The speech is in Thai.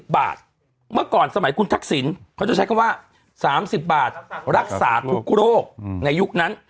เมื่อก่อนสมัยคุณทักษิณเขาจะใช้คำว่า๓๐บาทรักษาทุกโรคในยุคนั้น